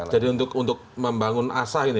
jadi untuk membangun asal